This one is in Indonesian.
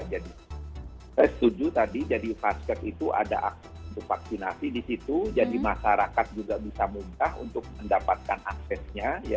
jadi saya setuju tadi jadi vasket itu ada vaksinasi disitu jadi masyarakat juga bisa mudah untuk mendapatkan aksesnya ya